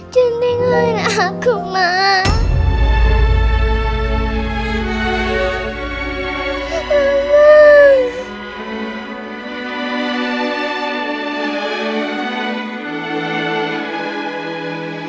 jangan liat aku mama